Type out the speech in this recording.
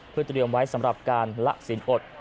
เพื่อเตรียมไว้สำหรับการละสินอด